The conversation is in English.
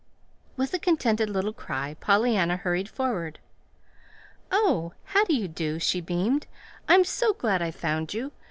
With a contented little cry Pollyanna hurried forward. "Oh, how do you do?" she beamed. "I'm so glad I found you!